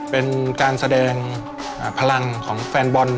เป็นการแสดงพลังของแฟนบอล